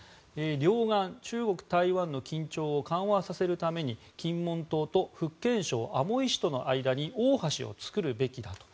両岸、中国・台湾の緊張を緩和させるために金門島と福建省アモイ市との間に大橋を造るべきだと。